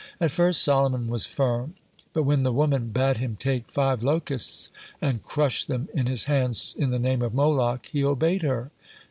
At first Solomon was firm, but, when the woman bade him take five locusts and crush them in his hands in the name of Moloch, he obeyed her.